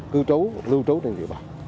cư trấu lưu trấu trên địa bàn